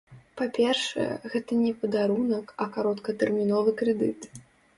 Па-першае, гэта не падарунак, а кароткатэрміновы крэдыт.